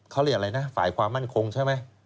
เขาเรียกอะไรนะฝ่ายความมั่นคงใช่ไหม